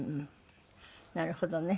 なるほどね。